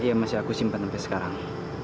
iya masih aku simpan sampai sekarang